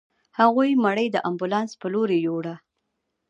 هغوی مړی د امبولانس په لورې يووړ.